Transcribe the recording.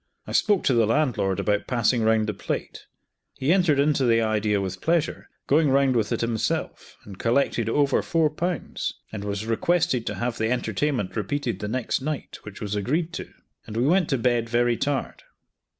I spoke to the landlord about passing round the plate. He entered into the idea with pleasure, going round with it himself, and collected over four pounds, and was requested to have the entertainment repeated the next night, which was agreed to; and we went to bed very tired.